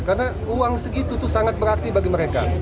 karena uang segitu sangat berarti bagi mereka